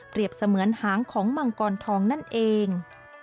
เสมือนหางของมังกรทองนั่นเอง